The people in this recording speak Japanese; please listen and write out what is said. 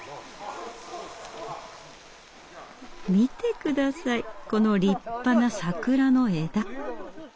見て下さいこの立派な桜の枝。